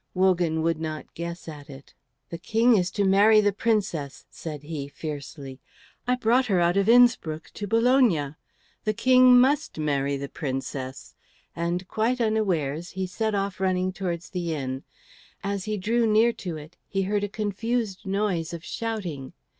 Wogan would not guess at it. "The King is to marry the Princess," said he, fiercely. "I brought her out of Innspruck to Bologna. The King must marry the Princess;" and, quite unawares, he set off running towards the inn. As he drew near to it, he heard a confused noise of shouting.